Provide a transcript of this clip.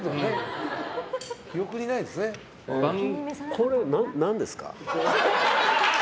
これ、何ですか？